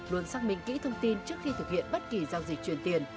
luôn xác minh kỹ thông tin trước khi thực hiện bất kỳ giao dịch truyền tiền